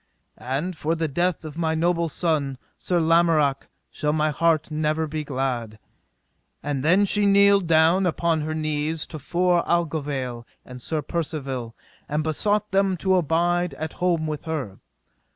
And for the death of my noble son, Sir Lamorak, shall my heart never be glad. And then she kneeled down upon her knees to fore Aglovale and Sir Percivale, and besought them to abide at home with her.